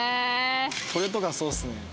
これとかそうですね。